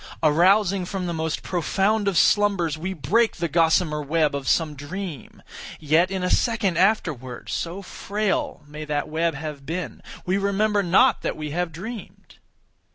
Arousing from the most profound of slumbers, we break the gossamer web of some dream. Yet in a second afterward, (so frail may that web have been) we remember not that we have dreamed.